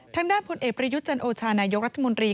ทางด้านผู้เอกประยุจจันทร์โอชานายกรัฐมนตรี